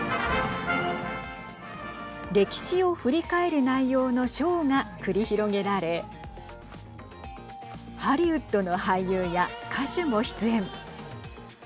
歴史を振り返る内容のショーが繰り広げられハリウッドの俳優や歌手も出演。